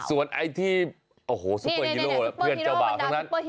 ส่วนไอ้ที่โหสุปเปอร์ฮีโรพี่อีกจ้าวบ่าวของนั้นนี่